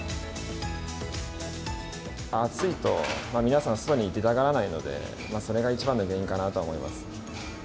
暑いと、皆さん、外に出たがらないので、それが一番の原因かなとは思います。